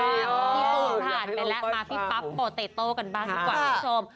พี่ตูนผ่านไปแล้วมาพี่ปั๊บโปเตโต้กันบ้างดีกว่าคุณผู้ชม